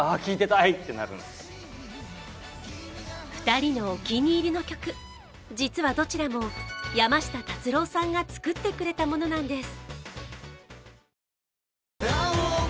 ２人のお気に入りの曲、実はどちらも山下達郎さんが作ってくれたものなんです。